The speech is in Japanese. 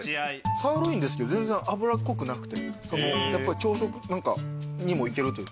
サーロインですけど全然脂っこくなくてやっぱり朝食にもいけるという。